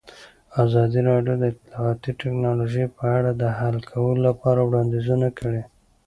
ازادي راډیو د اطلاعاتی تکنالوژي په اړه د حل کولو لپاره وړاندیزونه کړي.